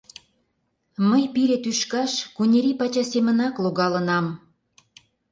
Мый пире тӱшкаш куньырий пача семынак логалынам.